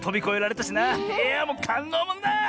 いやあもうかんどうもんだ！